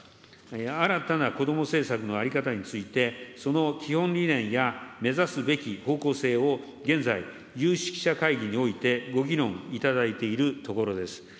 新たな子ども政策の在り方について、その基本理念や目指すべき方向性を現在、有識者会議においてご議論いただいているところです。